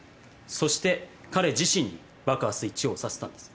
そして彼自身に爆破スイッチを押させたんです。